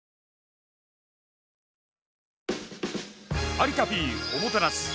「有田Ｐおもてなす」。